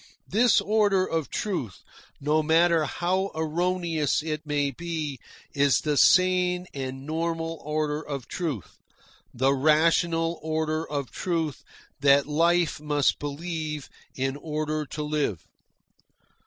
This order of truth, no matter how erroneous it may be, is the sane and normal order of truth, the rational order of truth that life must believe in order to live.